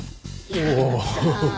おお。